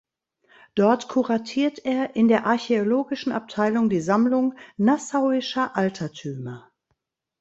Dort kuratiert er in der archäologischen Abteilung die Sammlung Nassauischer Altertümer.